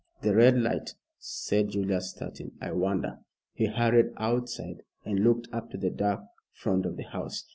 "The red light," said Julius, starting. "I wonder" he hurried outside and looked up to the dark front of the house.